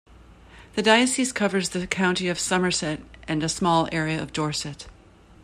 The diocese covers the county of Somerset and a small area of Dorset.